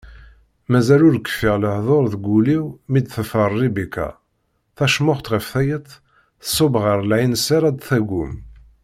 Mazal ur kfiɣ lehduṛ deg wul-iw, mi d-teffeɣ Ribika, tacmuxt ɣef tayet, tṣubb ɣer lɛinseṛ ad d-tagwem.